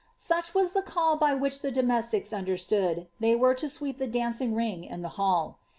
Such was the call by which the domestics understood they were to sweep the dancing ring in the hall.